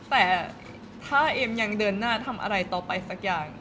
แต่ถ้าเอมยังเดินหน้าทำอะไรต่อไปสักอย่าง